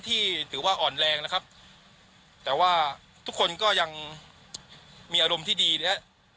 ที่ถือว่าอ่อนแรงนะครับแต่ว่าทุกคนก็ยังมีอารมณ์ที่ดีและ